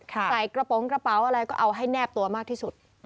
ใส่กระโปรงกระเป๋าอะไรก็เอาให้แนบตัวมากที่สุด